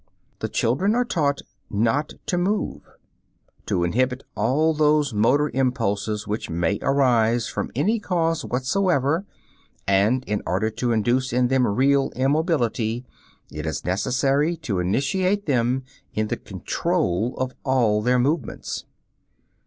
The children are taught "not to move"; to inhibit all those motor impulses which may arise from any cause whatsoever, and in order to induce in them real "immobility," it is necessary to initiate them in the control of all their movements.